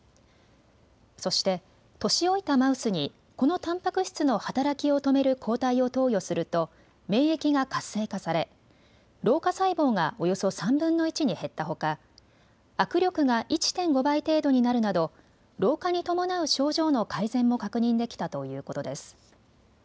そして年老いたマウスにこのたんぱく質の働きを止める抗体を投与すると免疫が活性化され老化細胞がおよそ３分の１に減ったほか握力が１．５倍程度になるなど老化に伴う症状の改善も確認できたということです。